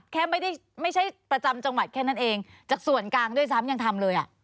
ไม่ได้ไม่ใช่ประจำจังหวัดแค่นั้นเองจากส่วนกลางด้วยซ้ำยังทำเลยอ่ะ